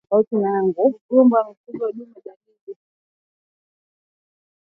Ugumba kwa mifugo dume ni dalili za ugonjwa wa kutupa mimba